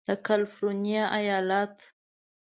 د کالفرنیا ایالت